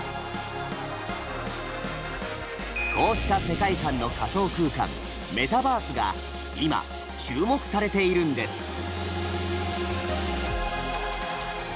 こうした世界観の仮想空間「メタバース」が今注目されているんです。